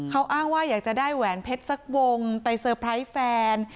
เขาอ้างว่าอยากจะได้แหวนเพชรสักวงไปเซอร์ไพรส์แฟน